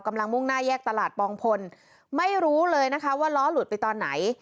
มุ่งหน้าแยกตลาดปองพลไม่รู้เลยนะคะว่าล้อหลุดไปตอนไหน